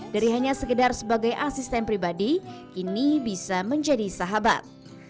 dari hanya sekedar sebagai asisten pribadi kini bisa menjadi sahabat